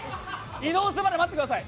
移動するまで待ってください。